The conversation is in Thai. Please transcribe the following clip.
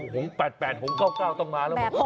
หงษ์๘๘หงษ์๙๙ต้องมาแล้วเหรอ